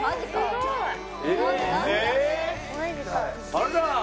あら。